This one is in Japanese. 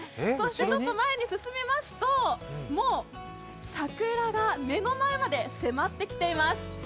そして前に進みますと、もう桜が目の前まで迫ってきています。